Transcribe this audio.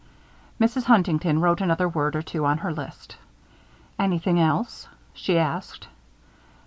Mrs. Huntington wrote another word or two on her list. "Anything else?" she asked.